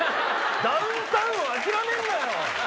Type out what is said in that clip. ダウンタウンを諦めんなよ！